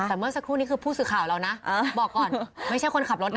แต่เมื่อสักครู่นี้คือผู้สื่อข่าวเรานะบอกก่อนไม่ใช่คนขับรถนะ